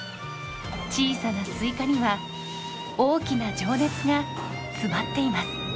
小さなスイカには大きな情熱が詰まっています。